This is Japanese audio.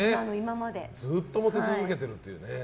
ずっとモテ続けてるというね。